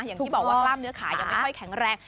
อย่างที่บอกว่ากล้ามเนื้อขายังไม่ค่อยแข็งแรง